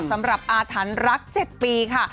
สำหรับอาธันรัก๗ปีค่ะ